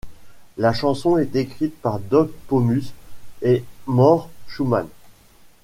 La chanson est ecrite par Doc Pomus et Mort Shuman.